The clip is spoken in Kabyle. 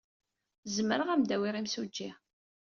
Zemreɣ ad am-d-awiɣ imsujji.